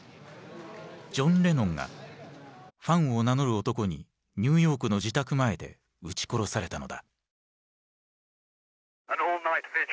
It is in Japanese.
ジョン・レノンがファンを名乗る男にニューヨークの自宅前で撃ち殺されたのだ。